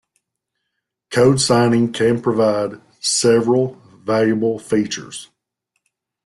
Code signing can provide several valuable features.